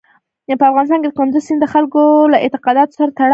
په افغانستان کې کندز سیند د خلکو له اعتقاداتو سره تړاو لري.